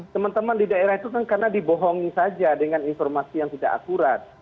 teman teman di daerah itu kan karena dibohongi saja dengan informasi yang tidak akurat